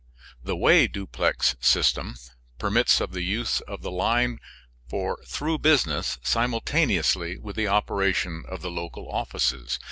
The "Way duplex" system permits of the use of the line for through business simultaneously with the operation of the local offices.